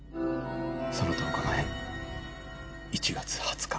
その１０日前１月２０日。